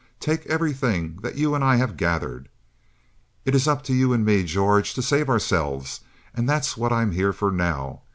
Take everything that you and I have gathered. It is up to you and me, George, to save ourselves, and that's what I'm here for now.